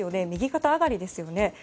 右肩上がりですよね。